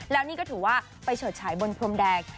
แล้วนี่ก็ถือว่าไปเฉิดฉายบนพรมแดง